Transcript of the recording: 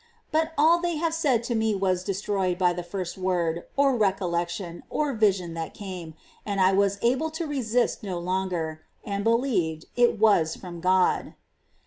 But all they had said to me was destroyed by the first word, or recollection, or yision that came, and I was able to resist no longer, and belieyed it was from God.